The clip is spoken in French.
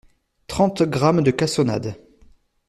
trente grammes de cassonade